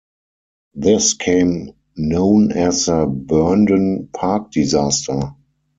This came known as the Burnden Park disaster.